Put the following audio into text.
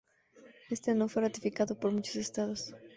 Este no fue ratificado por muchos estados.